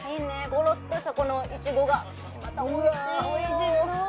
ゴロっとしたこのイチゴがまたおいしいの！